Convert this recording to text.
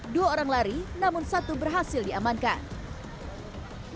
dua orang lari namun satu berhasil diamankan